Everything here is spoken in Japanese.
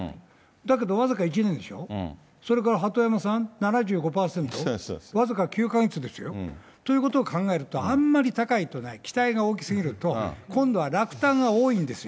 だけど僅か１年でしょ、それから鳩山さん７５％、僅か９か月ですよ。ということを考えると、あんまり高いとね、期待が大きすぎると、今度は落胆が多いんですよ。